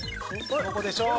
どこでしょう？